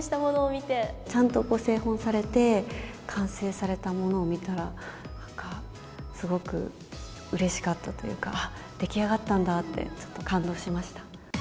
ちゃんと製本されて、完成されたものを見たら、なんかすごくうれしかったというか、出来上がったんだって、ちょっと感動しました。